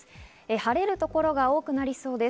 晴れる所が多くなりそうです。